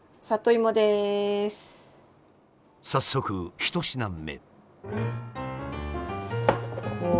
早速１品目。